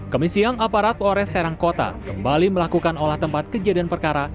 komisi yang aparat oleh serang kota kembali melakukan olah tempat kejadian perkara